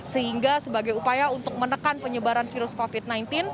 sehingga sebagai upaya untuk menekan penyebaran virus covid sembilan belas